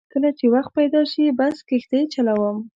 کله چې وخت پیدا شي بس کښتۍ چلوم.